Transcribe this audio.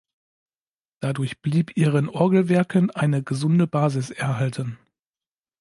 Dadurch blieb ihren Orgelwerken eine gesunde Basis erhalten.